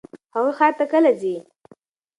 هغه ښار ته کله ځي؟